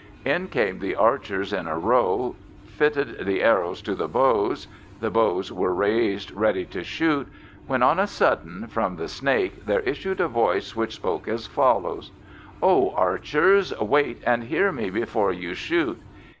In came the archers in a row, fitted the arrows to the bows, the bows were raised ready to shoot, when, on a sudden, from the Snake there issued a voice, which spoke as follows: "O archers! wait, and hear me before you shoot.